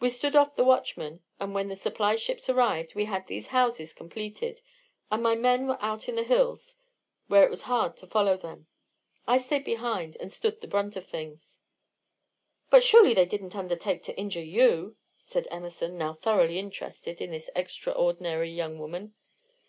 We stood off the watchmen, and when the supply ships arrived, we had these houses completed, and my men were out in the hills where it was hard to follow them. I stayed behind, and stood the brunt of things." "But surely they didn't undertake to injure you?" said Emerson, now thoroughly interested in this extraordinary young woman.